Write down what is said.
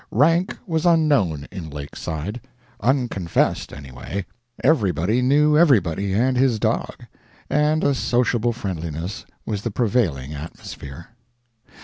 Rank was unknown in Lakeside unconfessed, anyway; everybody knew everybody and his dog, and a sociable friendliness was the prevailing atmosphere.